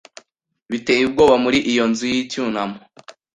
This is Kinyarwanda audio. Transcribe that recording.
biteye ubwoba, muri iyo nzu yicyunamo